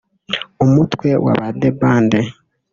Umutwe w’Abadebande